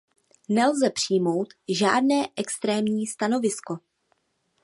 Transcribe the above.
Nelze přijmout žádné extrémní stanovisko.